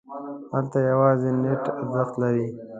هلته یوازې نیت ارزښت لري.